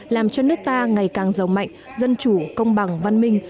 làm cho nước ta ngày càng giàu mạnh dân chủ công bằng văn minh